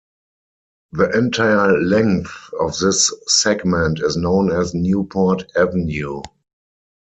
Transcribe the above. The entire length of this segment is known as Newport Avenue.